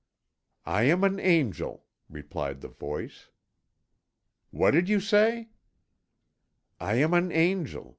"I am an angel," replied the voice. "What did you say?" "I am an angel.